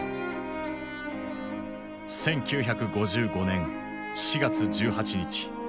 １９５５年４月１８日。